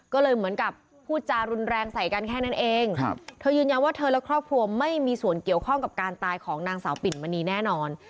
ก็เลยเหมือนกับพูดจารุนแรงใส่กันแค่นั้นเองเธอยืนยันว่าเธอและครอบครัวไม่มีส่วนเกี่ยวข้องกับการตายของนางสาวปิ่นมณีแน่นอน